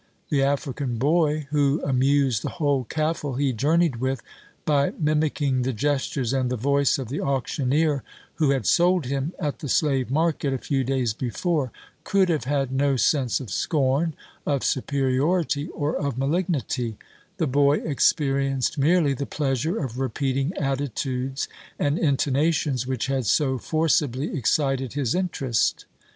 The African boy, who amused the whole kafle he journeyed with, by mimicking the gestures and the voice of the auctioneer who had sold him at the slave market a few days before, could have had no sense of scorn, of superiority, or of malignity; the boy experienced merely the pleasure of repeating attitudes and intonations which had so forcibly excited his interest.